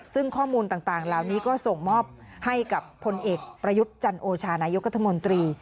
ซึ่งข้อมูลต่างเหล่านี้ก็ส่งมอบให้กับพลเอกประยุทธ์จันโอชานายกรัฐมนตรี